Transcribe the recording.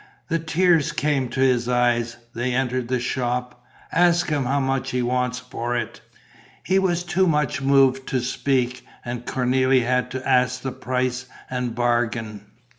The tears came to his eyes. They entered the shop. "Ask him how much he wants for it." He was too much moved to speak; and Cornélie had to ask the price and bargain.